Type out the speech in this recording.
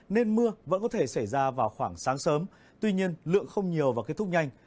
nên mưa vẫn có thể xảy ra vào khoảng sáng sớm tuy nhiên lượng không nhiều và kết thúc nhanh